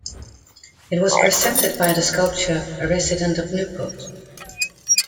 It was presented by the sculptor, a resident of Newport.